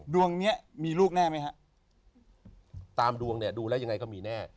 ดวงนี้มีลูกแน่ไหมฮะตามดวงเนี่ยดูแล้วยังไงก็มีแน่